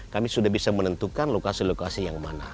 kami sudah bisa menentukan lokasi lokasi yang mana